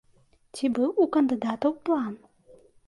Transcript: Ці быў у кандыдатаў план?